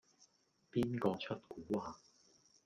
邊個出蠱惑